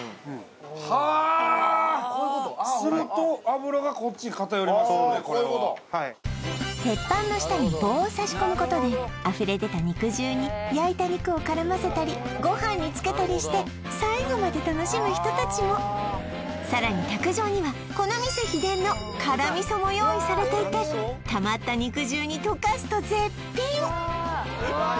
するとああこういうことはい鉄板の下に棒を差し込むことであふれでた肉汁に焼いた肉を絡ませたりご飯につけたりして最後まで楽しむ人たちもさらに卓上にはこのも用意されていてたまった肉汁に溶かすと絶品！